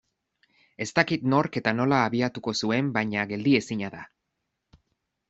Ez dakit nork eta nola abiatuko zuen baina geldiezina da.